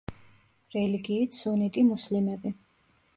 რელიგიით, სუნიტი მუსლიმები.